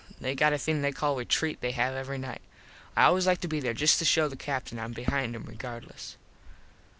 They got a thing called retreat they have every night. I always like to be there just to show the Captin Im behind him regardless.